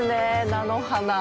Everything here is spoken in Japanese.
菜の花。